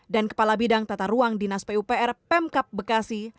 dan kepala bidang tata ruang dinas pupr pemkap bekasi